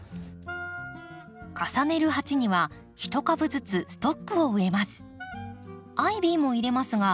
重ねる鉢には一株ずつストックを植えます。